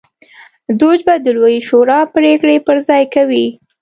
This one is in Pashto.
دوج به د لویې شورا پرېکړې پر ځای کوي